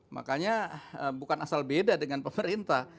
makanya bukan asal beda dengan pemerintah